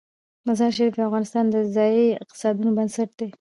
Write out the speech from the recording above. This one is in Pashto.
مزارشریف د افغانستان د ځایي اقتصادونو بنسټ دی.